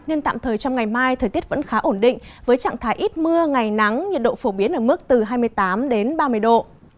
nên tạm thời trong ngày mai thời tiết vẫn khá ổn định với trạng thái ít mưa ngày nắng nhiệt độ phổ biến ở mức từ hai mươi tám đến ba mươi độ